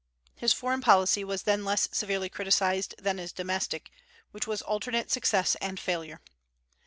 His foreign policy was then less severely criticised than his domestic, which was alternate success and failure.